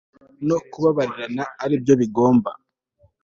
no kubabarirana ari byo bigomba